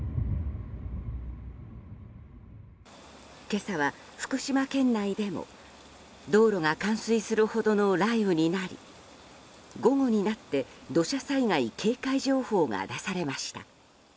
今朝は福島県内でも道路が冠水するほどの雷雨になり午後になって土砂災害警戒情報が出されました。